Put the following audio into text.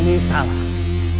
murad dan pipit